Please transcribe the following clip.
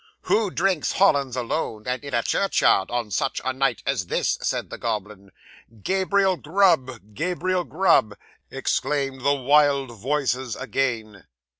'"Who drinks Hollands alone, and in a churchyard, on such a night as this?" said the goblin. '"Gabriel Grub! Gabriel Grub!" exclaimed the wild voices again.